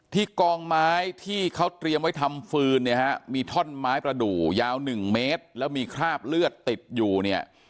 กองไม้ที่เขาเตรียมไว้ทำฟืนเนี่ยฮะมีท่อนไม้ประดูกยาว๑เมตรแล้วมีคราบเลือดติดอยู่เนี่ย